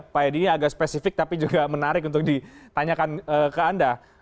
pak edi ini agak spesifik tapi juga menarik untuk ditanyakan ke anda